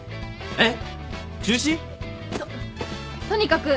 えっ？